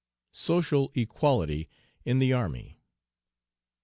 SOCIAL EQUALITY IN THE ARMY.